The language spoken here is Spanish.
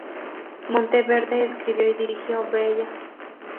Monteverde escribió y dirigió "Bella".